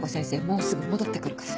もうすぐ戻って来るから。